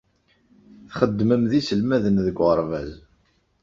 Txeddmem d iselmaden deg uɣerbaz.